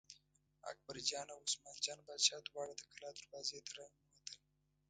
اکبرجان او عثمان جان باچا دواړه د کلا دروازې ته را ننوتل.